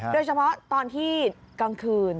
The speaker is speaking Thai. โดยเฉพาะตอนที่กลางคืน